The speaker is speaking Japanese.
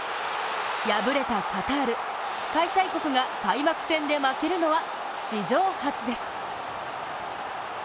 敗れたカタール、開催国が開幕戦で負けるのは史上初です。